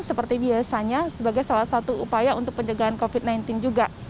seperti biasanya sebagai salah satu upaya untuk pencegahan covid sembilan belas juga